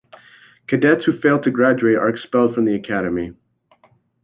Cadets who fail to graduate are expelled from the Academy.